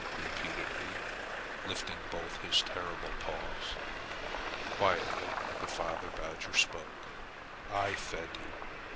repeated he, lifting both his terrible paws. Quietly the father badger spoke: "I fed you.